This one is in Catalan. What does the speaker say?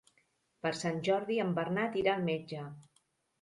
Per Sant Jordi en Bernat irà al metge.